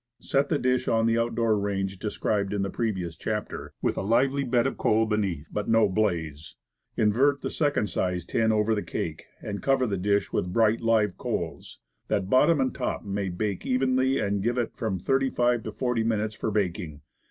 Set the dish on the out door range described in the previous chapter, with a lively bed of coals beneath but no blaze. Invert the second sized tin over the cake, and cover the dish with bright live coals, that bottom and top may bake evenly, and give it from thirty five to forty minutes for baking.